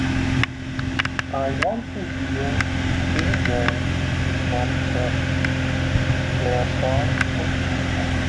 I want to hear Jimmy James from the thirties, play a song on Groove Shark.